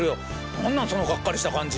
何なんそのがっかりした感じ。